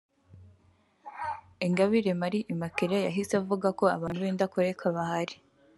Ingabire Marie Immaculée yahise avuga ko abantu b’indakoreka bahari